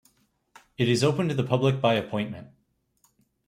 It is open to the public by appointment.